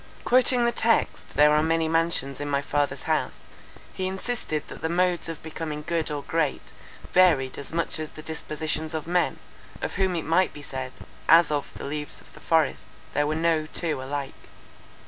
Quoting the text, there are many mansions in my father's house, he insisted that the modes of becoming good or great, varied as much as the dispositions of men, of whom it might be said, as of the leaves of the forest, there were no two alike.